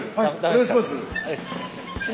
お願いします。